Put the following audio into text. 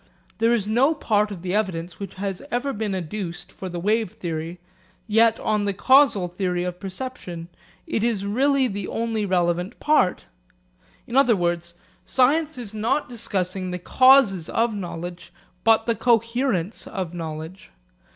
This is no part of the evidence which has ever been adduced for the wave theory, yet on the causal theory of perception, it is really the only relevant part. In other words, science is not discussing the causes of knowledge, but the coherence of knowledge.